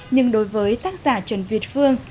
nhưng đối với tác giả trần việt phương